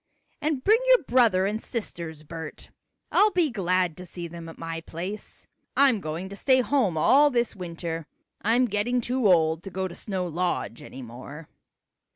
"And bring your brother and sisters, Bert. I'll be glad to see them at my place. I'm going to stay home all this winter. I'm getting too old to go to Snow Lodge anymore."